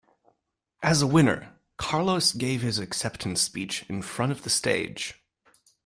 As a winner, Carlos give his acceptance speech in front of the stage.